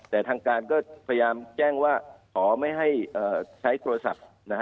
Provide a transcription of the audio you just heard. แต่ทางการก็พยายามแจ้งว่าขอไม่ให้ใช้โทรศัพท์